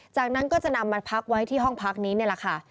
จากนั้นก็จะนำมาพักไว้ที่ห้องพักนี้นี่แหละค่ะ